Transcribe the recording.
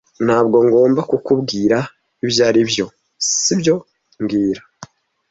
Ntabwo ngomba kukubwira ibyo aribyo, sibyo mbwira